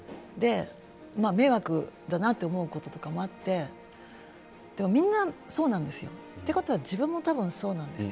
迷惑だなと思うこととかもあってでも、みんなそうなんですよ。ということは自分もそうなんですよ。